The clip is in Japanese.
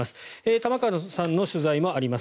玉川さんの取材もあります。